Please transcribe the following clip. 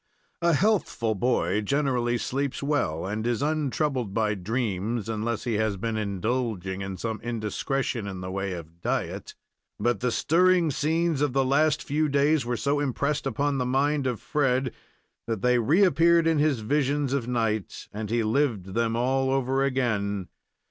A healthful boy generally sleeps well, and is untroubled by dreams, unless he has been indulging in some indiscretion in the way of diet, but the stirring scenes of the last few days were so impressed upon the mind of Fred that they reappeared in his visions of night, as he lived them all over again.